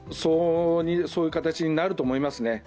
そういう形になると思いますね。